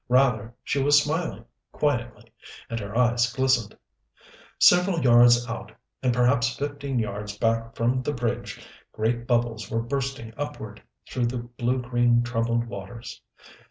Rather she was smiling, quietly, and her eyes glistened. Seventy yards out, and perhaps fifteen yards back from the Bridge, great bubbles were bursting upward through the blue green troubled waters.